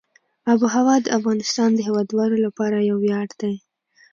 آب وهوا د افغانستان د هیوادوالو لپاره یو ویاړ دی.